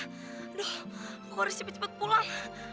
aduh gue harus cepat cepat pulang